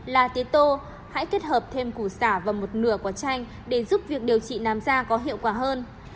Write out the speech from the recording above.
lá tế tô hãy kết hợp thêm củ xả và một nửa quả chanh để giúp việc điều trị nám da có hiệu quả hơn